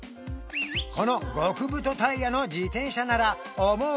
この極太タイヤの自転車なら思う